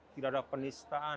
tidak ada penistaan